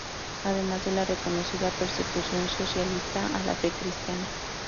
Además de la reconocida persecución socialista a la fe cristiana.